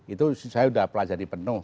itu saya sudah pelajari penuh